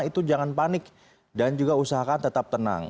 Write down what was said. itu jangan panik dan juga usahakan tetap tenang